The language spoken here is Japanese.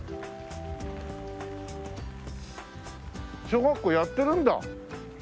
小学校やってるんだ。